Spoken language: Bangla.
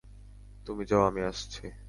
তুমি যাও, আমি আসছি।